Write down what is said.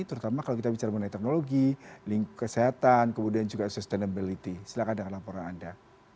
terutama kalau kita bicara mengenai teknologi kesehatan kemudian juga sustainability silahkan dengan laporan anda